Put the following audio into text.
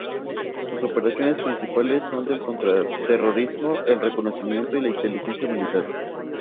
Sus operaciones principales son el contraterrorismo, el reconocimiento y la Inteligencia militar.